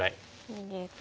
逃げて。